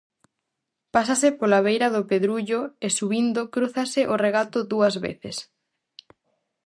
Pásase pola beira do Pedrullo e subindo crúzase o regato dúas veces.